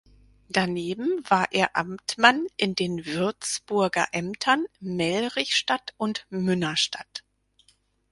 Daneben war er Amtmann in den Würzburger Ämtern Mellrichstadt und Münnerstadt.